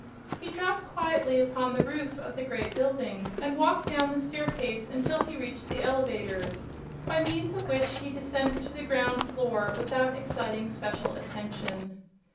He dropped quietly upon the roof of the great building and walked down the staircase until he reached the elevators, by means of which he descended to the ground floor without exciting special attention.